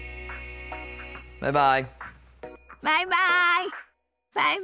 バイバイ。